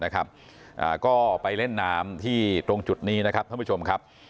ก็ไปเล่นน้ำที่ตรงจุดนี้นะครับท่านผู้ชมครับ